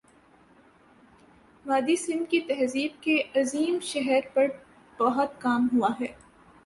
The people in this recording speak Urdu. وادیٔ سندھ کی تہذیب کے عظیم شہر پر بہت کام ہوا ہے